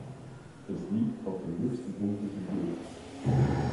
Es liegt auf dem höchsten Punkt des Hügels.